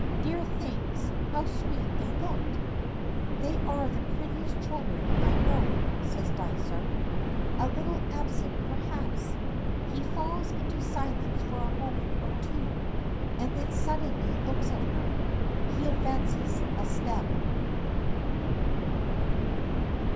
Dear things! How sweet they looked!" "They are the prettiest children I know," says Dysart a little absent perhaps. He falls into silence for a moment or two, and then suddenly looks at her. He advances a step.